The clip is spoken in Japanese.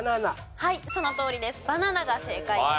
はいそのとおりです。